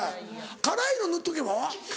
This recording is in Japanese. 辛いの塗っとけば？